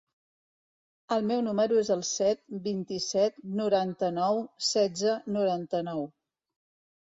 El meu número es el set, vint-i-set, noranta-nou, setze, noranta-nou.